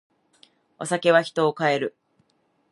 お酒は人を変える。